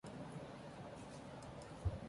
Swenson was raised in Indiana.